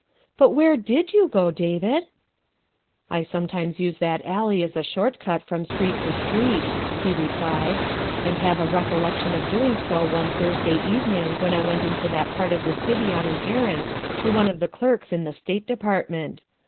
But where did you go, David ?''" I sometimes use that alley as a short cut from street to street, '' he replied, '' and have a recollection of doing so one Thursday evening when I went into that part of the city on an errand to one of the clerks in the State Department.